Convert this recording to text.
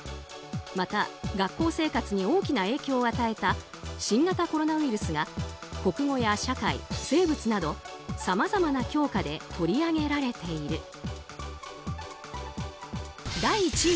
また、学校生活に大きな影響を与えた新型コロナウイルスが国語や社会、生物などさまざまな教科で取り上げられている。